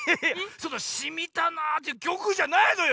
そんな「しみたな」っていうきょくじゃないのよ